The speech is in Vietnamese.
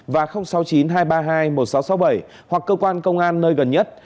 và sáu mươi chín hai trăm ba mươi hai một nghìn sáu trăm sáu mươi bảy hoặc cơ quan công an nơi gần nhất